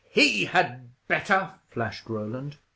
"He had better!" flashed Roland.